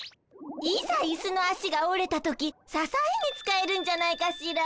いざいすのあしがおれた時ささえに使えるんじゃないかしら。